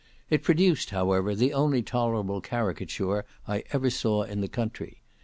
It produced, however, the only tolerable caricature I ever saw in the country.